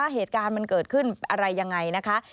เหตุการณ์มันเกิดขึ้นอะไรยังไงนะคะ